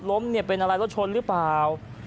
ล้มเนี่ยเป็นอะไรรถชนหรือเปล่า